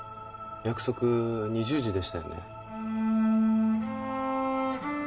約束２０時でしたよね？